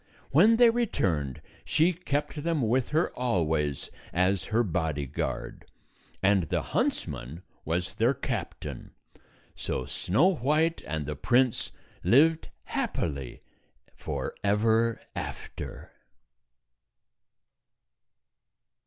When they returned, she kept them with her always as her bodyguard, and the huntsman was their captain. So Snow White and the prince lived happily forever after.